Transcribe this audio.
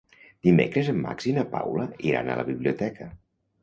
Dimecres en Max i na Paula iran a la biblioteca.